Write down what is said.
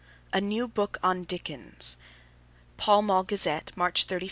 A NEW BOOK ON DICKENS (Pall Mall Gazette, March 31, 1887.)